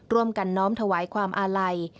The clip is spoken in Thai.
กันน้อมถวายความอาลัย